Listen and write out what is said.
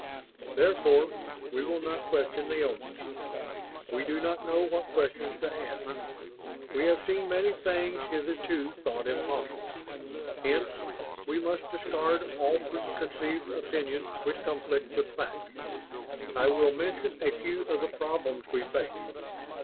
"Therefore we will not question the Omans. We do not know what questions to ask. We have seen many things hitherto thought impossible. Hence, we must discard all preconceived opinions which conflict with facts. I will mention a few of the problems we face."